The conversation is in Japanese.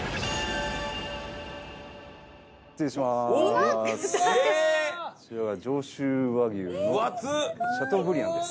失礼します。